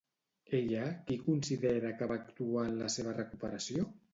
Ella qui considera que va actuar en la seva recuperació?